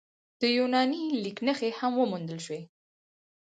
د یوناني لیک نښې هم موندل شوي